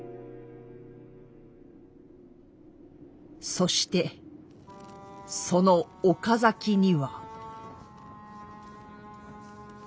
そしてその岡崎には。